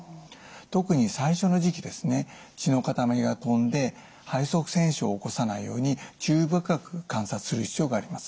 特に最初の時期ですね血の塊がとんで肺塞栓症を起こさないように注意深く観察する必要があります。